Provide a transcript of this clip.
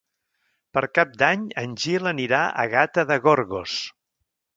Per Cap d'Any en Gil anirà a Gata de Gorgos.